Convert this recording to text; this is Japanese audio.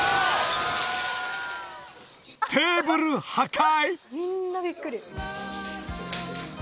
テーブル破壊！？